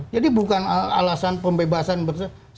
jadi bukan alasan pembebasan bersyarat